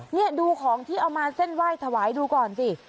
นี่ดูของที่เอามาเส้นไหว้ถวายดูก่อนสิ